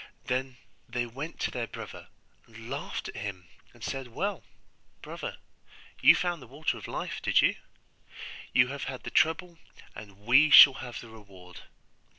Then they went to their brother, and laughed at him, and said, 'Well, brother, you found the Water of Life, did you? You have had the trouble and we shall have the reward.